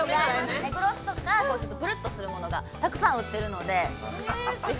◆グロスとか、プルっとするものとか、たくさん売っているので、ぜひ。